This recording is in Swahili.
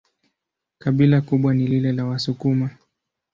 Kabila kubwa ni lile la Wasukuma.